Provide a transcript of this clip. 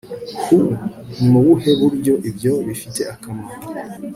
huh? ni mu buhe buryo ibyo bifite akamaro